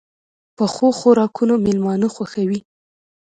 پخو خوراکونو مېلمانه خوښوي